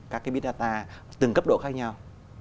các bit data từng cấp độ khác nhau